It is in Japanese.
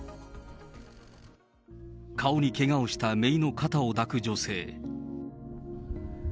顔にけがをしためいの肩を抱く女性。